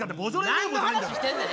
何の話ししてんねん！